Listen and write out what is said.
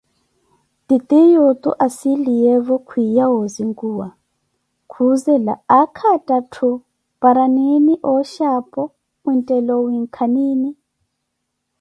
Titiyunthu anssiliyevo kwiya osinkuwa, khuzela aakha athaathu? Paara nini oshxi aphoo, mwinthela owinkani?